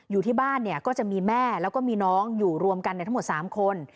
อยู่ที่บ้านเนี่ยก็จะมีแม่แล้วก็มีน้องอยู่รวมกันทั้งหมด๓คน